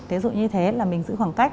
ví dụ như thế là mình giữ khoảng cách